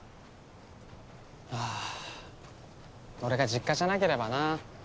ああ俺が実家じゃなければな。